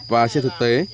và trên thực tế